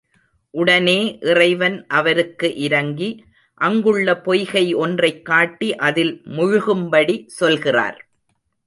உடனே இறைவன் அவருக்கு இரங்கி, அங்குள்ள பொய்கை ஒன்றைக் காட்டி அதில் முழுகும்படி சொல்கிறார்.